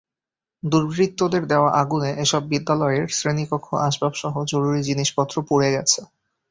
দুর্বৃত্তদের দেওয়া আগুনে এসব বিদ্যালয়ের শ্রেণীকক্ষ, আসবাবসহ জরুরি জিনিসপত্র পুড়ে গেছে।